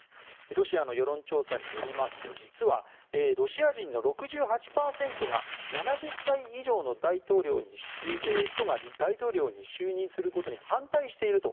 ロシアの世論調査によりますと実は、ロシア人の６８％が７０歳以上の大統領が就任することに反対していると。